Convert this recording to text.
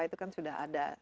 itu kan sudah ada